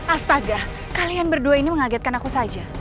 astaga kalian berdua ini mengagetkan aku saja